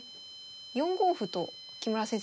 ４五歩と木村先生